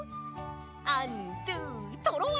アンドゥトロワ！